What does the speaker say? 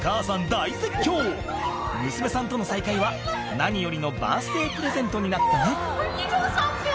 大絶叫娘さんとの再会は何よりのバースデープレゼントになったね